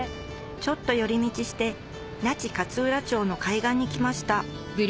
ちょっと寄り道して那智勝浦町の海岸に来ました